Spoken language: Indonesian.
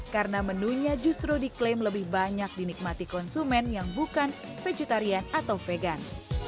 karena menunya justru diklaim lebih banyak dinikmati konsumen yang bukan vegetarian atau vegan